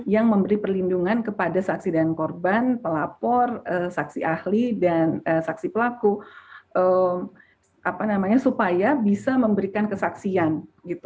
yang memberi perlindungan ke saksi dan korban pelapor saksi ahli dan saksi pelaku supaya bisa memberikan joinedan hai pertanyaan apa namanya supaya bisa memberikan kesaksian gitu